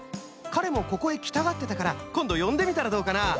かれもここへきたがってたからこんどよんでみたらどうかな？